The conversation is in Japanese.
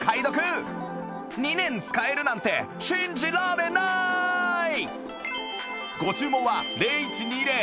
２年使えるなんて信じられない！